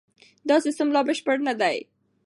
دا سیستم لا بشپړ نه دی.